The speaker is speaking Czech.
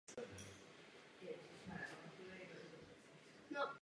Avšak záhy přišla druhá světová válka a další velká zkáza.